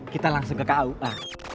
kita langsung ke kua